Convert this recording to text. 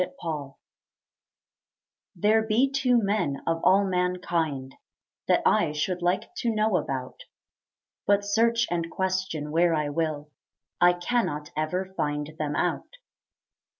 Two Men There be two men of all mankind That I should like to know about; But search and question where I will, I cannot ever find them out.